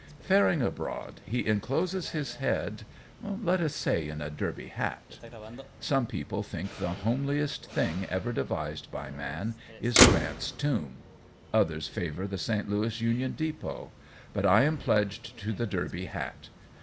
Faring abroad, he encloses his head, let us say in a derby hat. Some people think the homeliest thing ever devised by man is Grant's Tomb. Others favor the St. Louis Union Depot. But I am pledged to the derby hat.